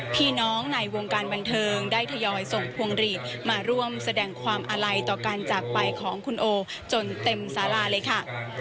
พี่น้องในวงการบันเทิงได้ทยอยส่งพวงหลีดมาร่วมแสดงความอาลัยต่อการจากไปของคุณโอจนเต็มสาราเลยค่ะ